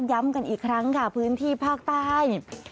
ย้ำกันอีกครั้งค่ะพื้นที่ภาคใต้